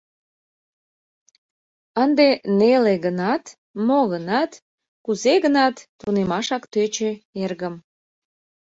— Ынде, неле гынат, мо-гынат, кузе-гынат тунемашак тӧчӧ, эргым!